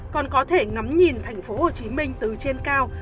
còn có thể ngắm nhìn thành phố hồ chí minh từ trên cao